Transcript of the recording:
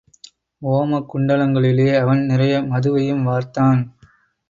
ஓம குண்டங்களிலே அவன் நிறைய மதுவையும் வார்த்தன்.